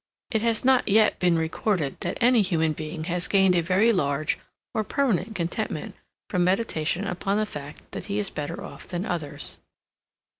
It has not yet been recorded that any human being has gained a very large or permanent contentment from meditation upon the fact that he is better off than others.